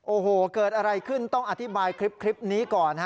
โอ้โหเกิดอะไรขึ้นต้องอธิบายคลิปนี้ก่อนฮะ